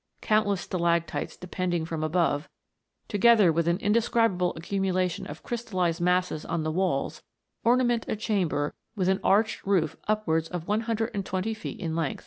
Countless stalactites depend ing from above, together with an indescribable accumulation of crystallized masses on the walls, ornament a chamber with an arched roof upwards of one hundred and twenty feat in length.